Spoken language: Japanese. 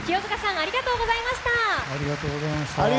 ありがとうございます！